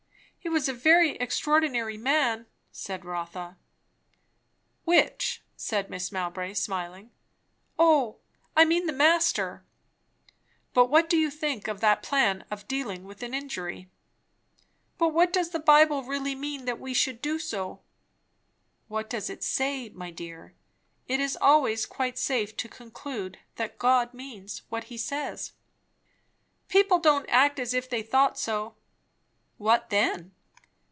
"He was a very extraordinary man!" said Rotha. "Which?" said Mrs. Mowbray smiling. "O I mean the master." "But what do you think of that plan of dealing with an injury?" "But does the Bible really mean that we should do so?" "What does it say, my dear? It is always quite safe to conclude that God means what he says." "People don't act as if they thought so." "What then?"